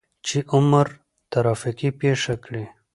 چې عمر ترافيکي پېښه کړى.